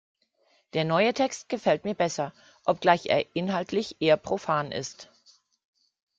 Der neue Text gefällt mir besser, obgleich er inhaltlich eher profan ist.